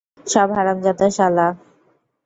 সব হারামজাদা শালা!